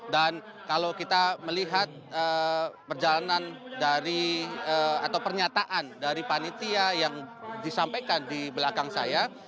dan kalau kita melihat perjalanan dari atau pernyataan dari panitia yang disampaikan di belakang saya